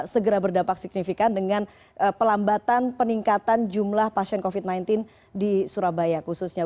segera berdampak signifikan dengan pelambatan peningkatan jumlah pasien covid sembilan belas di surabaya khususnya